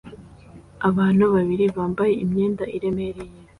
Abantu babiri bambaye imyenda iremereye